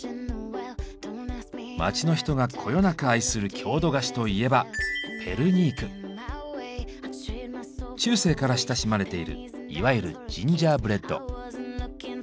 街の人がこよなく愛する郷土菓子といえば中世から親しまれているいわゆるジンジャーブレッド。